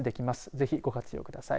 ぜひご活用ください。